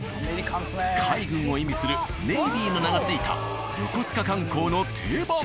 海軍を意味する「ネイビー」の名が付いた横須賀観光の定番。